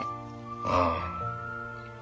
ああ。